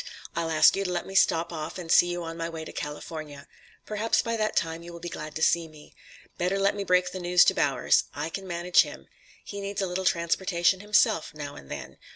I'll ask you to let me stop off and see you on my way to California. Perhaps by that time you will be glad to see me. Better let me break the news to Bowers. I can manage him. He needs a little transportation himself now and then.